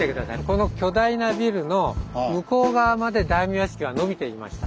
この巨大なビルの向こう側まで大名屋敷はのびていました。